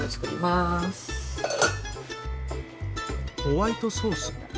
ホワイトソース？